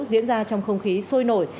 diễn ra trong không khí sôi nổi